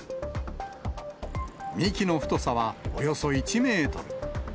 幹の太さはおよそ１メートル。